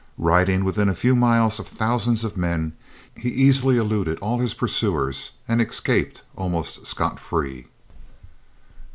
Riding within a few miles of thousands of men, he easily eluded all his pursuers and escaped almost scot free.